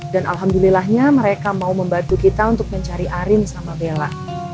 dan alhamdulillahnya mereka mau membantu kita untuk mencari arin sama bella